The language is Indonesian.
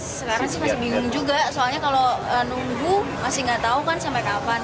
sekarang sih masih bingung juga soalnya kalau nunggu masih nggak tahu kan sampai kapan